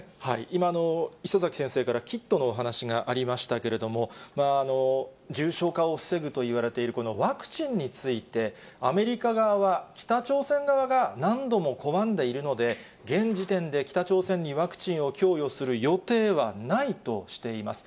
今、礒崎先生からキットのお話がありましたけれども、重症化を防ぐといわれているワクチンについて、アメリカ側は北朝鮮側が何度も拒んでいるので、現時点で北朝鮮にワクチンを供与する予定はないとしています。